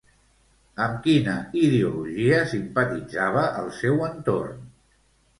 Amb quina ideologia simpatitzava el seu entorn?